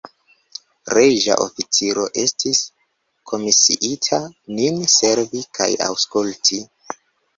Reĝa oficiro estis komisiita nin servi kaj aŭskulti.